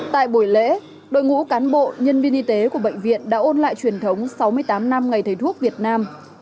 tại buổi lễ đội ngũ cán bộ nhân viên y tế của bệnh viện đã ôn lại truyền thống sáu mươi tám năm ngày thầy thuốc việt nam